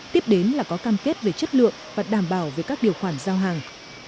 tiếp đến là có cam kết về chất lượng và đảm bảo về các điều khoản giao hàng